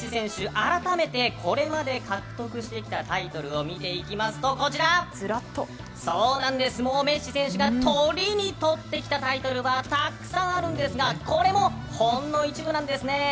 改めて、これまで獲得してきたタイトルを見ていきますともうメッシ選手がとりにとってきたタイトルがたくさんあるんですがこれも、ほんの一部なんですね。